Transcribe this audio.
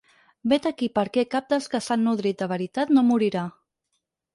Vet aquí per què cap dels que s’han nodrit de veritat no morirà.